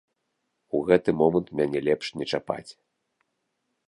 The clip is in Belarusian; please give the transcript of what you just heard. У гэты момант мяне лепш не чапаць.